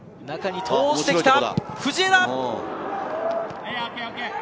中に通してきた藤枝。